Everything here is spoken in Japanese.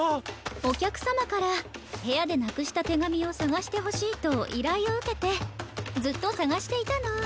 おきゃくさまからへやでなくしたてがみをさがしてほしいといらいをうけてずっとさがしていたの。